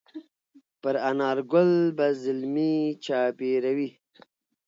پر انارګل به زلمي چاپېروي